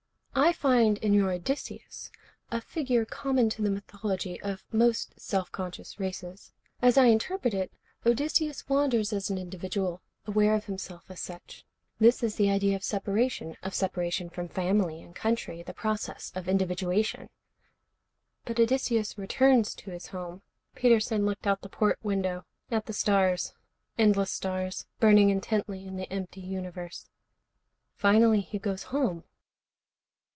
"I find in your Odysseus a figure common to the mythology of most self conscious races. As I interpret it, Odysseus wanders as an individual, aware of himself as such. This is the idea of separation, of separation from family and country. The process of individuation." "But Odysseus returns to his home." Peterson looked out the port window, at the stars, endless stars, burning intently in the empty universe. "Finally he goes home."